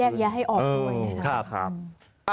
แยกแยะให้ออกด้วย